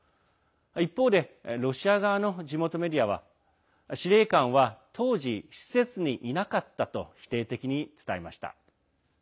一方でロシア側の地元メディアは司令官は当時施設にいなかったと否定的に伝えました。